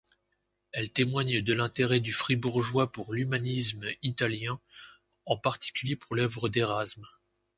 Elle témoigne de l'intérêt du Fribourgeois pour l’humanisme italien, en particulier pour l’œuvre d’Érasme.